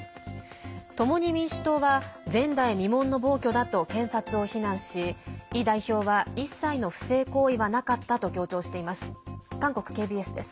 共に民主党は前代未聞の暴挙だと検察を非難しイ代表は一切の不正行為はなかったと強調しています。